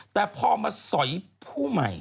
แต่พอมาสอยผู้ใหม่